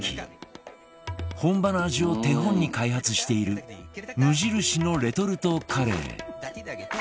本場の味を手本に開発している無印のレトルトカレー